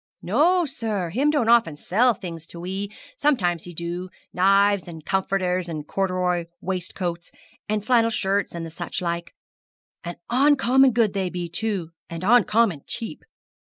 'No, sir; him don't often sell things to we; sometimes him do knives, and comforters, and corderoy waistcoats, and flannel shirts, and such like, and oncommon good they be, too, and oncommon cheap.